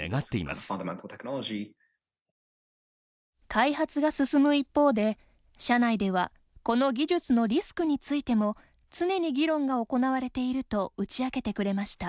開発が進む一方で、社内ではこの技術のリスクについても常に議論が行われていると打ち明けてくれました。